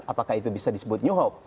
apakah itu bisa disebut new hope